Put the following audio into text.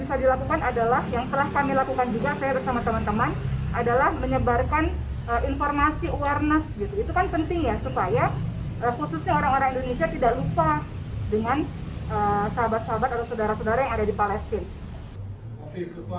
itu kan penting ya supaya khususnya orang orang indonesia tidak lupa dengan sahabat sahabat atau saudara saudara yang ada di palestina